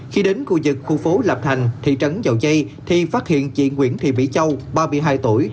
khi đến khu vực khu phố lạp thành thị trấn dầu dây thì phát hiện chị nguyễn thị mỹ châu ba mươi hai tuổi